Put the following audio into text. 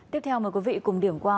tiếp theo mời quý vị cùng điểm qua